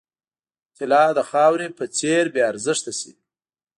طلا د خاورې په څېر بې ارزښته شي.